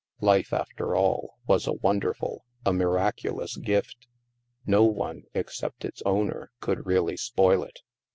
Life, after all, was a wonderful, a miraculous gift. No one, except its owner, could really spoil it.